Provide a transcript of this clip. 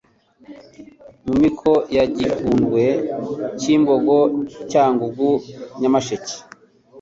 Mu miko ya Gihundwe Cyimbogo Cyangugu Nyamsheke